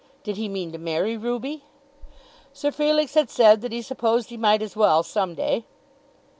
Did he mean to marry Ruby? Sir Felix had said that he "supposed he might as well some day."